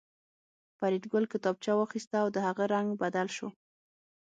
فریدګل کتابچه واخیسته او د هغه رنګ بدل شو